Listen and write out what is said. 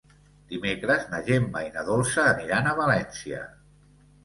Dimecres na Gemma i na Dolça aniran a València.